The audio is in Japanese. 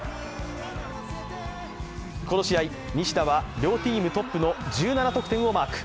この試合、西田は両チームトップの１７得点をマーク。